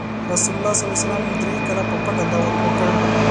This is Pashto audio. رسول الله ﷺ دری کاله په پټه دعوت وکړ.